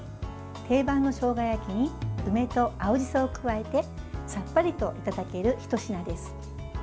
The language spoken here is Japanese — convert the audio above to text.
定番のしょうが焼きに梅と青じそを加えてさっぱりといただけるひと品です。